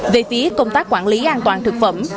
về phía công tác quản lý an toàn thực phẩm